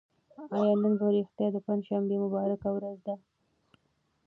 آیا نن په رښتیا د پنجشنبې مبارکه ورځ ده؟